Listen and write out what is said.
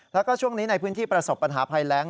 แล้วก็ช่วงนี้ในพื้นที่ประสบปัญหาภัยแรง